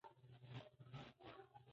ښوونکی له زده کوونکو پوښتنې کوي.